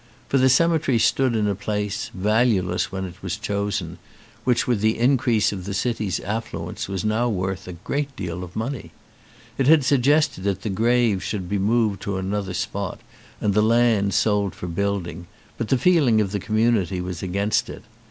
For the cemetery stood in a place, valueless when it was chosen, which with the increase of the city's affluence was now worth a great deal of money. It had been suggested that the graves should be moved to another spot and the land sold for building, but the feeling of the community was against it.